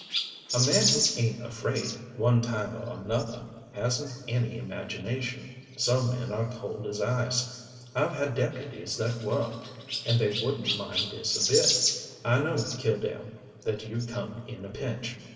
A man who ain't afraid, one time or another, hasn't any imagination. Some men are cold as ice, I've had deputies that were and they wouldn't mind this a bit. I know, Killdare, that you'd come in a pinch.